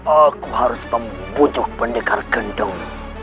aku harus membujuk pendekar kendung